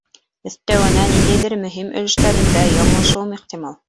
Өҫтәүенә, ниндәйҙер мөһим өлөштәрендә яңлышыуым ихтимал.